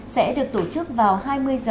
sẽ được tổ chức vào hai mươi h